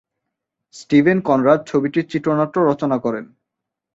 Steven Conrad ছবিটির চিত্রনাট্য রচনা করেন।